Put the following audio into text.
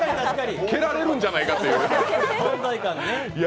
蹴られるんじゃないかってぐらい。